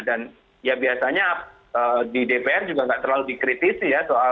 dan ya biasanya di dpr juga nggak terlalu dikritisi ya